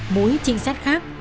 mối trình sát khác